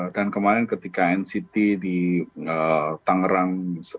dan kemarin ketika nct di tangerang